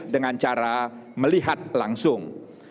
dengan cara melihat langsung